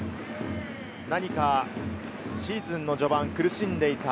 何かシーズンの序盤、苦しんでいた。